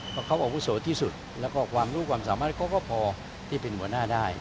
เพราะเขาอาวุโสที่สุดแล้วก็ความรู้ความสามารถเขาก็พอที่เป็นหัวหน้าได้